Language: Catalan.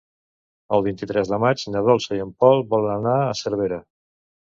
El vint-i-tres de maig na Dolça i en Pol volen anar a Cervera.